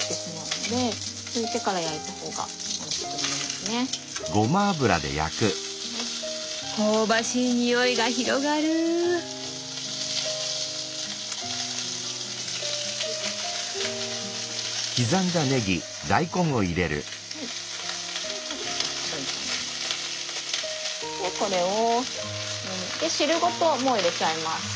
でこれを汁ごともう入れちゃいます。